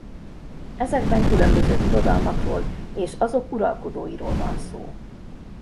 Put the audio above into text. Ezekben különböző birodalmakról és azok uralkodóiról van szó.